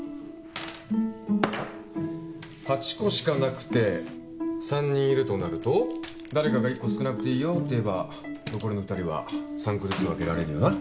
８個しかなくて３人いるとなると誰かが１個少なくていいよって言えば残りの２人は３個ずつ分けられるよな。